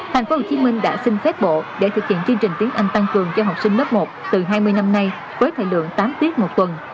tp hcm đã xin phép bộ để thực hiện chương trình tiếng anh tăng cường cho học sinh lớp một từ hai mươi năm nay với thời lượng tám tiết một tuần